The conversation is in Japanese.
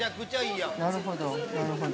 ◆なるほど、なるほど。